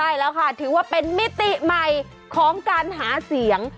ใช่แล้วค่ะถือว่าเป็นมิติใหม่ของการหาเสียง